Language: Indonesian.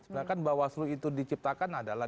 sebenarnya kan bawas lu itu diciptakan adalah